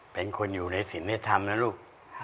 เป็นคนอยู่ในศิลปธรรมนะลูก